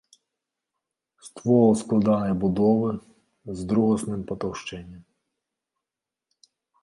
Ствол складанай будовы, з другасным патаўшчэннем.